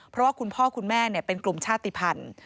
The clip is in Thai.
เพราะว่าคุณพ่อคุณแม่เป็นกลุ่มชาติภัณฑ์